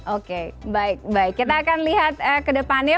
oke baik baik kita akan lihat kedepannya